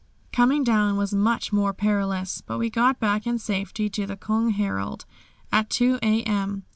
Coming down was much more perilous, but we got back in safety to the "Köng Harald" at 2 a.m.